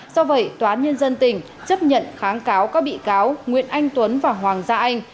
do vậy tòa án nhân dân tỉnh chấp nhận kháng cáo các bị cáo nguyễn anh tuấn và hoàng gia anh